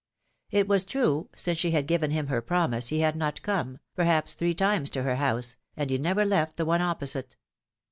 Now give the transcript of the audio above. It was true, since she had given him her promise, he had not come, perhaps, three times to her house, and he never left the one opposite.